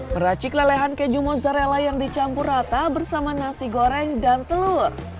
meracik lelehan keju mozzarella yang dicampur rata bersama nasi goreng dan telur